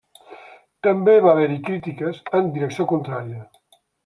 També va haver-hi crítiques en direcció contrària.